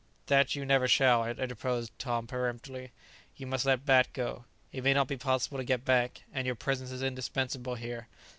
"That you never shall," interposed Tom peremptorily; "you must let Bat go. It may not be possible to get back, and your presence is indispensable here.